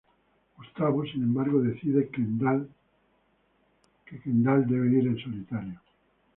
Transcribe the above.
Gustavo, sin embargo, decide Kendall debe ir en solitario.